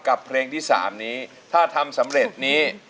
เพลงที่๓นี้ถ้าทำสำเร็จนี้